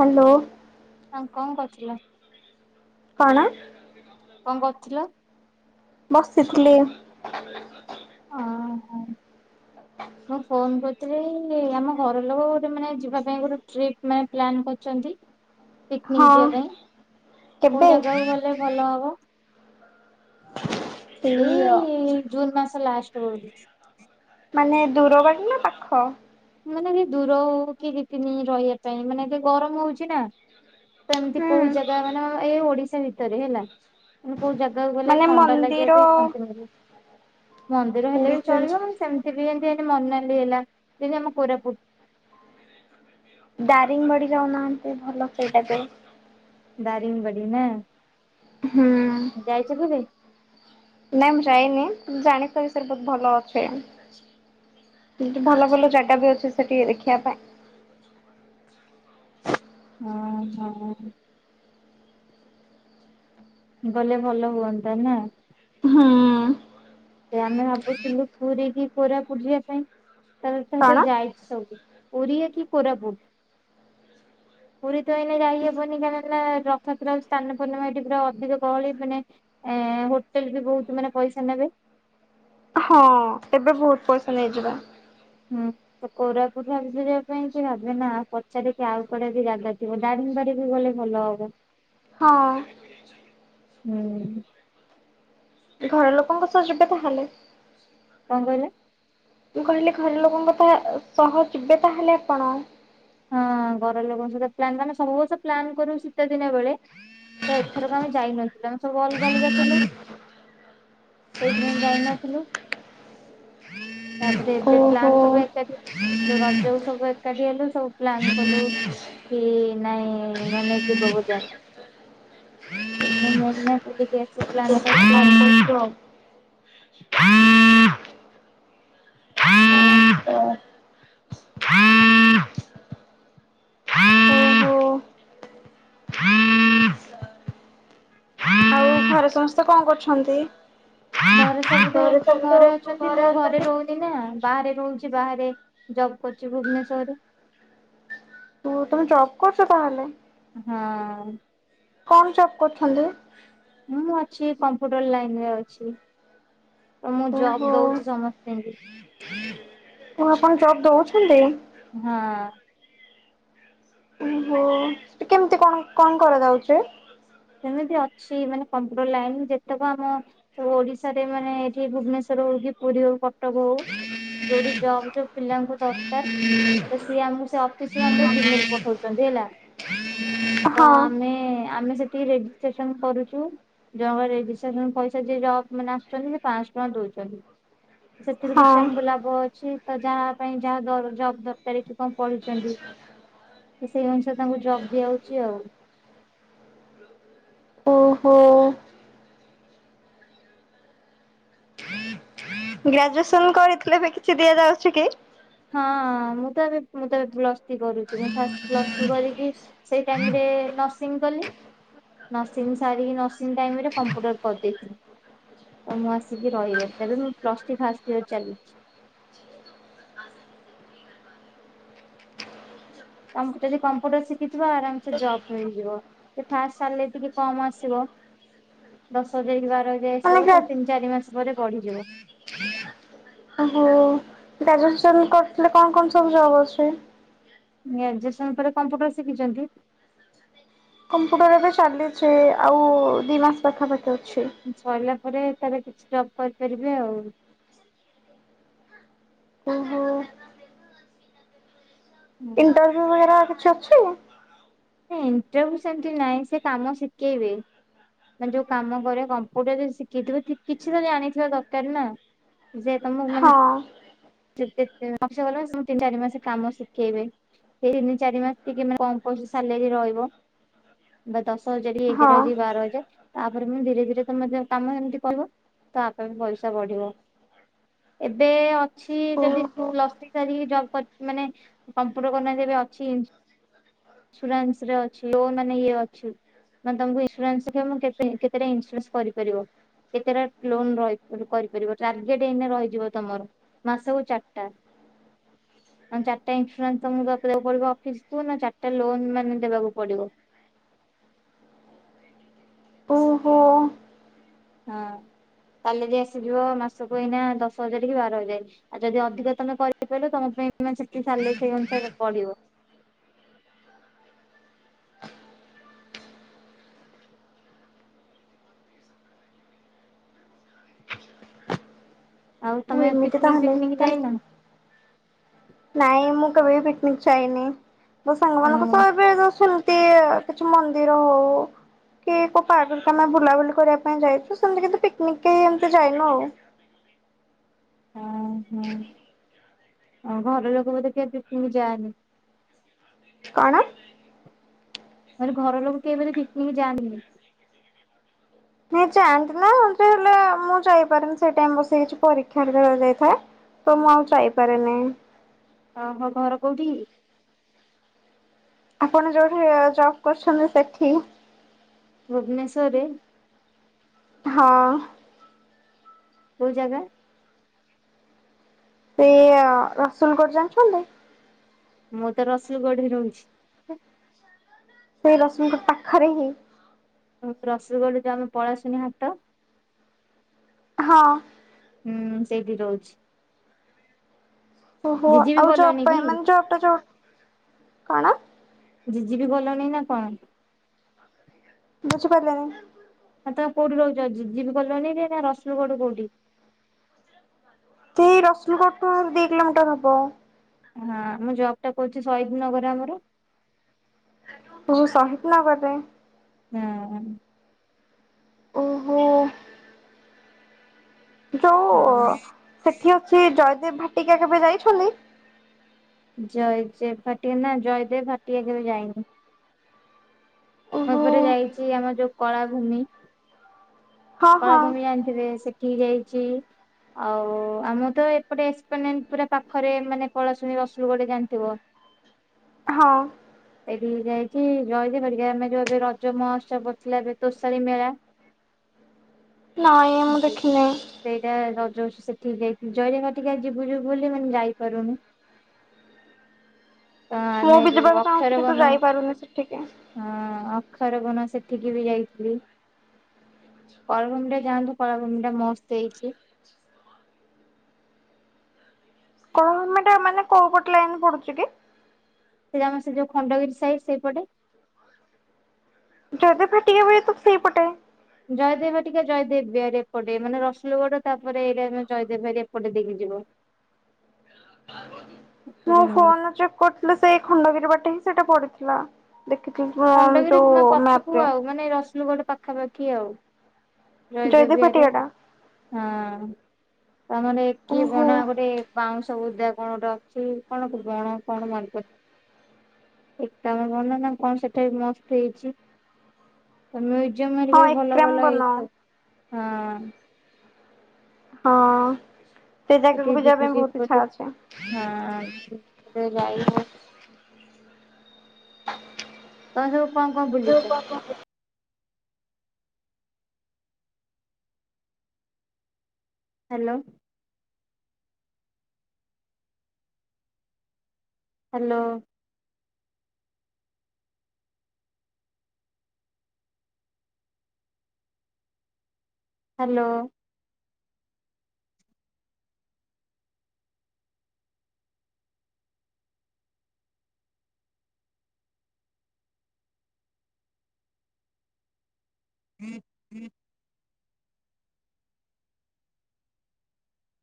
Hello. ଆଁ କଣ କରୁଥିଲ? କଣ? କଣ କରୁଥିଲ? ବସିଥିଲି। ହୁଁ। ହଁ ହଁ। ଆ ମୁଁ ଫୋନ କରିଥିଲି ଆମ ଘର ଲୋକ ଗୋଟେ ମାନେ ଯିବା ପାଇଁ ଗୋଟେ ଟ୍ରିପ୍ ମାନେ ପ୍ଲାନ୍ କରି ହଁ ପିକନିକ ଯିବା ପାଇଁ କେବେ କୋଉ ଜାଗାକୁ ଗଲେ ଭଲ ହବ? ଏଇଆ ଜୁନ୍ ମାସ ଲାଷ୍ଟ ବେଳକୁ। ମାନେ ଦୂର ବାଟ ନା ପାଖ? ମାନେ ଏ ଦୂର ହଉ କି ଦି ତିନି ଦିନି ରହିବା ପାଇଁ ମାନେ ଏ ଗରମ ହଉଛି ନା? ତ ଏମିତି ହୁଁ କୋଉ ଜାଗା ମାନେ ଏଇ ଓଡିଶା ଭିତରେ ହେଲା। କୋଉ ଜାଗାକୁ ଗଲେ ମାନେ ଥଣ୍ଡା ଲାଗିବ ମନ୍ଦିର ବି ଶାନ୍ତି ଲାଗିବ। ମନ୍ଦିର ହେଲେ ବି ଓଡିଶା ଚଳିବ ସେମିତି ବି ମନାଲି ହେଲା ଯେମିତି ଆମ କୋରାପୁଟ। ଦାରିଙ୍ଗବାଡି ଯାଉନାହାନ୍ତି ଭଲ ସେଇଟା ବି। ଦାରିଙ୍ଗବାଡ଼ି ନା। ହୁଁ। ଯାଇଥିଲୁ କି? ନାଇଁ ମୁଁ ଯାଇନି ଜାଣି ପିବି ସାର ବହୁତ ଭଲ ଅଛେ।। କିନ୍ତୁ ଭଲ ଭଲ ଜାଗା ବି ଅଛି ସେଠିକି ଦେଖିବା ପାଇଁ। ହଁ ହଁ। ଗଲେ ଭଲ ହୁଅନ୍ତା ନା? ହୁଁ। ସେ ଆମେ ଭାବୁଥିଲୁ ପୁରୀ କି କୋରାପୁଟ ଯିବା ପାଇଁ ତା ସତ କଣ ଯାଇ ଓଡ଼ିଆ କି କୋରାପୁଟ। ପୁରୀ ତ ଏଇନ ଯାଇହବନି କାହିଁକି ନା ରଥତ ସ୍ନାନ ପୂର୍ଣ୍ଣିମା ଏଠି ପୁରା ଅଧିକ ଗହଳି ମାନେ ଏ ହୋଟେଲ ବି ବହୁତ ମାନେ ପଇସା ନେବେ। ହଁ ଏବେ ବହୁତ ପଇସା ନେଇଯିବା। ହୁଁ, ତ କୋରାପୁଟ ଭାବୁଚି ଯିବା ପାଇଁ କି ଭାବେ ନା ପଚାରିକି, ଆଉ କୁଡା ବି ଜାଗା ଯିବ। ଦାରିଙ୍ଗବାଡି ବି ଗଲେ ଭଲ ହବ। ହଁ। ହୁଁ। ଘର ଲୋକଙ୍କ ସହ ଯିବେ ତାହେଲେ? କଣ କହିଲେ? ମୁଁ କହିଲି, ଘର ଲୋକଙ୍କ ତ ସହ ଯିବେ, ତାହେଲେ ଆପଣ? ହଁ, ଘର ଲୋକଙ୍କ ସହିତ ପ୍ଲାନ୍। ସବୁ ବର୍ଷ ପ୍ଲାନ କରୁ ଶୀତ ଦିନ ବେଳେ। ତ ଏଥରକୁ ଆମେ ଯାଇନଥିଲୁ। ଆମେ ସବୁ ଅଲଗା ଅଲଗା ଥିଲୁ। ସେଇଥିପାଇଁ ଯାଇନଥିଲୁ। ତାପରେ ଏବେ ଓହୋ ପ୍ଲାନ୍ ସବୁ ଏକାଠି। ଯୋଉ ରଜ ସବୁ ଏକାଠି ହେଲୁ। ସବୁ ପ୍ଲାନ୍ କଲୁ କି ନାଇଁ? ମାନେ ଯିବ ବୁଆ? [inaudible] କରିଛୁ ଆଉ। [inaudible] ଆଉ ଓହୋ ଆଉ ଘରେ ସମସ୍ତେ କଣ କରୁଛନ୍ତି? ଘରେ ସବୁଠୁ ସବୁ ଘରେ ତ ଅଛନ୍ତି, ମୁଁ ଘରେ ଅଛନ୍ତି। ରହୁନି। ସିନା ବାହାରେ ରହୁଛି ବାହାରେ, ଜବ୍ କରୁଛି ଭୁବନେଶ୍ୱରରେ। ତମେ ଜବ୍ କରୁଛ ତାହେଲେ? ହଁ। କଣ ଜବ କରୁଛନ୍ତି? ମୁଁ ଅଛି, କମ୍ପ୍ୟୁଟର ଲାଇନ ରେ ଅଛି। ତ, ମୁଁ ଜବ୍ ଦଉଛି ସମସ୍ତଙ୍କି। [inaudible] ହ ଆପଣ ଜବ୍ ଦଉଛନ୍ତି? ହଁ। ଓହୋ! କେମିତି କଣ କଣ କରାଯାଉଛି? ସେମିତି ଅଛି, ମାନେ କମ୍ପୁଟର ଲାଇନ ଯେତକ ଆମ ଓଡିଶାରେ, ମାନେ ଏଠି ଭୁବନେଶ୍ଵର ହଉ କି ପୁରୀ ହଉ, କଟକ ହଉ ଯୋଉଠି ଜବ ପିଲାଙ୍କୁ ଦରକାର। ତ ସିଏ ଆମକୁ ସେ ଅଫିସରୁ ଆମକୁ ଜିମେଲ ପଠଉଛନ୍ତି ହେଲା। ତ, ହଁ ଆମେ ଆମେ ସେଠି ରେଜିଷ୍ଟ୍ରେସନ କରୁଛୁ। ଜଣକା ରେଜିଷ୍ଟ୍ରେସନ ପଇସା ଯିଏ ଜବ ମାନେ ଆସୁଛନ୍ତି, ସେ ପାଞ୍ଚଶହ ଟଙ୍କା ଦଉଛନ୍ତି। ସେଥିରୁ ହଁ କିଛି ଆମକୁ ଲାଭ ଅଛି। ତ ଯାହା ପାଇଁ ଯାହା ଜବ ଦରକାର, କି କଣ ପଢିଛନ୍ତି ତ ସେଇ ଅନୁସାରେ ତାଙ୍କୁ ଜବ୍ ଦିଆଯାଉଛି ଆଉ। ଓହୋ। ଗ୍ରାଜୁଏସନ କରିଥିଲେ ବି କିଛି ଦିଆଯାଉଛି କି? ହଁ, ମୁଁ ତ ଏବେ ମୁଁ ତ ଏବେ ପ୍ଲସ ଥ୍ରୀ କରୁଛି। ମୁଁ ଫାସ କ୍ଲାସ [unintelligible] କି ସେଇ ଟାଇମ୍ ରେ ନର୍ସିଂ କଲି। ନର୍ସିଂ ସାରିକି, ନର୍ସିଂ ଟାଇମ ରେ କମ୍ପ୍ୟୁଟର କରିଦେଇଥିଲି। ଆଉ ମୁଁ ଆସିକି ରହିଗଲି। ତେବେ ମୁଁ ପ୍ଲସ ଥ୍ରୀ ଫାଷ୍ଟ ଇୟର ଚାଲିଛି। ତମକୁ ଯଦି କମ୍ପ୍ୟୁଟର ଶିଖିଥିବ, ଆରାମସେ ଜବ ମିଳିଯିବ। ସେ ଫାଷ୍ଟେ ସାଲାରି ଟିକେ କମ ଆସିବ। ଦଶ ହଜାର କି ବାର ହଜାର ମାନେ ଆସିବ। ତା ଗ୍ରା ତିନି, ଚାରି ମାସ ପରେ ବଢିଯିବ। [unintelligible] ଓହୋ। ଗ୍ରାଜୁଏସନ ସରି କରିଥିଲେ କଣ କଣ ସବୁ ଜବ୍ ଆସିବ? ଗ୍ରାଜୁଏସନ ପରେ କମ୍ପ୍ୟୁଟର ଶିଖିଛନ୍ତି? କମ୍ପ୍ୟୁଟର ଏବେ ଚାଲିଛି ଆଉ ଦୁଇ ମାସ ପାଖାପାଖି ଅଛି। ସରିଲା ପରେ ତାର କିଛି ଜବ୍ କରିପାରିବେ ଆଉ। ଓହୋ। ଇଣ୍ଟରଭିୟୁ ହେରା କିଛି ଅଛି? ହୁଁ ଇଣ୍ଟରଭିୟୁ ସେମିତି ନାହିଁ ସେ କାମ ଶିଖେଇବେ। ମାନେ ଯୋଉ କାମ କରେ କମ୍ପ୍ୟୁଟରରେ ଶିଖେଇଥିବ କିଛି ତ ଜାଣିଥିବା ଦରକାର ନା। ସେ ତମକୁ ମାନେ ହଁ। [unintelligible] ତିନି ଚାରି ମାସେ କାମ ଶିଖେଇବେ। ହେଇନି ତିନି ଚାରି ମାସ ଟିକେ ମାନେ କମ କମ ସାଲେରୀ ରହିବ। ବା ଦଶ ହଜାର ହେଇକି ହଁ ରହିଛି ବାର ହଜାର ତାପରେ ମୁଁ ଧୀରେ ଧୀରେ ତମେ କାମ ଏମିତି କହିବ ତାପରେ ପଇସା ବଢିବ। ଏବେ ଅ ଛି ଯଦି ଓହୋ ପ୍ଲସ ଥ୍ରୀ ସାରିକି ଜବ୍ କରି ମାନେ କମ୍ପ୍ୟୁଟର କରିନାହାନ୍ତି ଅଛି ଏ ଇନ୍ସୁରାନ୍ସ ରେ ଅଛି ଲୋନ ମାନେ ଇଏ ଅଛି। ମାନେ ତମକୁ ଇନ୍ସୁରାନ୍ସ ଶିଖେଇ କେ କେତେଟା ଇନ୍ସୁରାନ୍ସ କରିପାରିବ। କେତେଟା ଲୋନ ରହି କରିପାରିବ ଟାର୍ଗେଟ ଏଇନା ରହିଯିବ ତମର। ମାସକୁ ଚାରିଟା। ମାନେ ଚାରିଟା ଇସୁରାନ୍ସ ତମକୁ ଦବାକୁ ପଡିବ ଅଫିସି କୁ ନା ଚାରିଟା ଗୋଟେ ଲୋନ୍ ମାନେ ଦେବାକୁ ପଡିବ। ହଉ। ହଁ ସାଲାରୀ ଆସିଯିବ ମାସକୁ ଏଇନା ଦଶ ହଜାର କି ବାର ହଜାର। ଆଉ ଯଦି ଅଧିକ ତମେ କରିପାରିଲ ତମ ପାଇଁ ମାନେ ସେଠି ସାଲାରି ସେଇ ଅନୁସାରେ ପଢିବ। ଆଉ ଓ ତମେ ଏମିତି ପିକ୍ନିକ୍ ତାହେଲେ ଫିକିନିକ୍ ତାହେଲେ ଯାଇନ? ନାଇଁ ମୁଁ କେବେ ବି ପିକିନିକି ଯାଇନି ମୋ ହଁ ସାଙ୍ଗମାନଙ୍କ ସହ ଏବେ ଯଷ୍ଟ ଏମିତି ଆଉ କିଛି ମନ୍ଦିର ହୋଉ କି କୋଉ ପାର୍କରେ ଆମେ ବୁଲାବୁଲି କରିବା ପାଇଁ ଯାଇଛୁ ସେମିତି କି ପିକିନିକି କେହି ଏମିତି ଯାଇନୁ ଆଉ। ଓହୋ ଆଉ ଘର ଲୋକ ବୋଧେ [unintelligible] ଯାଆନି। କଣ? ମୁଁ କହିଲି ଘର ଲୋକ କେହି ବି ପିକିନିକି ଯାଆନ୍ତିନି? ନାଇଁ ଯାଆନ୍ତି ନା ହେଲେ ମୁଁ ଯାଇପାରେନି ସେ ଟାଇମ୍ କୁ ସେ ଯୋଉ କିଛି ପରୀକ୍ଷା କରାଯାଇଥାଏ। ତ ମୁଁ ଆଉ ଯାଇପାରେନି। ଅହ ଘର କୋଉଠିକି? ଆପଣ ଯୋଉଠି ଜବ୍ କରୁଛନ୍ତି ସେଠି। ଭୁବନେଶ୍ୱରରେ? ହଁ। କୋଉ ଜାଗା? ସେଇୟା ରସୁଲଗଡ ଜାଣିଛନ୍ତି? ମୁଁ ତ ରସୁଲଗଡ଼ରେ ରେ ରହୁଛି। ସେଇ ରସୁଲଗଡ଼ ପାଖରେ ହିଁ। ରସୁଲଗଡ଼ ଯୋଉ ଆମ ପଳାଶୁନି ହାଟ ହଁ। ହୁଁ ସେଇଠି ରୋହୁଛି। ଓହୋ ଜିଜି ବି ଆଉ ଜବ କଲୋନୀ ପାଇଁ କି ମାନେ ଜବ ଟା ଯୋଉ କଣ? ଜିଜିବି ଗଲଣି ନା କଣ? ବୁଝି ପାରିଲିନି। ଆ, ତୋମେ କୋଉଠି ରୋହୁଚ ଯିବ୍ ଯିବ୍ କଲୋନି ରେ ନା ରସୁଲଗଡ଼ କୋଉଟି? ସେଇ ରସଲଗଡ଼ ଠୁ ଦି କିଲୋମିଟର ହବ। ହଁ ମୁଁ ଜବ୍ ଟା କରୁଛି ଶହିଦ୍ ନଗରରେ ଆମର। [unintelligible] ସହିଦ ନଗରରେ? ହଁ। ଓହୋ! ଯୋଉ ହଁ। ସେଠି ଅଛି ଜୟଦେବ ଭାଟିକା କେବେ ଯାଇଛନ୍ତି? ଜୟଯେବ ଭାଟିଆ ନା ଜୟଦେବ ଭାଟିଆ କେବେ ଯାଇନି। ମୁଁ ଓହୋ ଏପଟେ ଯାଇଚି ଆମର ଯୋଉ କଳାଭୂମି। ହଁ ହଁ। କଳାଭୂମି ଜାଣିଥିବେ ସେଠିକି ଯାଇଛି। ଆଉ ଆମ ତ ଏପଟେ ଏସପ୍ଲାନେଟ୍ ପୁରା ପାଖରେ ମାନେ ପଳାଶୁଣି ରସୁଲଗଡ ଜାଣିଥିବ। [inaudible] ହଁ। ଏଠିକି ଯାଇଚି। ଜୟଦେବ ଭାଟିକା ଆମେ ଯୋଉ ଏବେ ରଜ ମହୋତ୍ସବ ପଡିଥିଲା ଏବେ ତୋଷାଳୀ ମେଳା ନାଇଁ ମୁଁ ଦେଖିନି। ସେଇଟା ରଜ ସେ-ସେଠିକି ଯାଇଛି। ଜୟଦେବ ଭାଟିକା ଯିବୁ ଯିବୁ ବୋଲି ମାନେ ଯାଇପାରୁନି। [inaudible] ମୁଁ ବି ଯୋଉ ଯିବାକୁ ଅକ୍ଷର ଚାହୁଁଚି କିନ୍ତୁ ବନ ଯାଇପାରୁନି ସେଠିକି। ହଁ ଅକ୍ଷର ବନ ସେଠିକି ବି ଯାଇଥିଲି। କଳାଭୂମି ଟା ଯାଆନ୍ତୁ କଳାଭୂମି ଟା ମସ୍ତ ହେଇଛି। କଳାଭୂମି ଟା ମାନେ କୋଉ ପଟ ଲାଇନ୍ ପଡୁଚି କି? ସେଟି ଆମ ସେ ଯୋଉ ଖଣ୍ଡଗିରି ସାଇଟ୍ ସେଇ ପଟେ। ଜୟଦେବ ଭାଟାକା ବି ତ ସେଇପଟେ। ଜୟଦେବ ଭାଟିକା ଜୟଦେବ ବିହାର ଏପଟେ ମାନେ ରସୁଲଗଡ ମାନେ ତାପରେ ଏରିଆ ମାନେ ଜୟଦେବ ବିହାର ଏପଟେ ଦେଇକି ଯିବ। ଏପଟେ ମୁଃ ନୁହଁ। ଫୋନ ଚେକ୍ କରିଥିଲି ସେଇ ଖଣ୍ଡଗିରି ବାଟେ ହିଁ ସେଟା ପଡିଥିଲା। ଦେଖିଥିଲି [inaudible] ଖଣ୍ଡଗିରି ଯୋଉ ମା- ମ୍ୟାପ ପଛକୁ ରେ ଆଉ ମାନେ ରସୁଲଗଡ଼ ପା ଖାପାଖି ଆଉ ଜୟଦେବ ବିହାର ରେ ହଁ। ତା ମାନେ ଏ କି ଓହୋ। ବଣ ଗୋଟେ ବାଉଁଶ ବୁଦା କଣ ଗୋଟେ ଅଛି କଣ ବଣ କଣ ମନେ ପଡ ଏକାମ ବନ ନା କଣ ସେଠି ମସ୍ତ ହେଇଛି। ତ ମ୍ୟୁଜିୟମ୍ ରେ ବି ହଁ ଭଲ ଏକ୍ରାମ ଭଲ ବନ ହେଇଥିବ ହଁ। ହଁ ସେ ସେଠି ଜାଗାକୁ ବି ଯିବା ଯିବି ପାଇଁ ଯିବି ବହୁତ ବୋଲି ଇଚ୍ଛା ଅଛି। ହଁ [unintelligible] ଯାଇ ହଉ ତୋମେ ସବୁ କଣ କଣ ବୁଲିଚ? ହ୍ୟାଲୋ। ହ୍ୟାଲୋ। ହାଲୋ। ହଁ ହଁ [inaudible]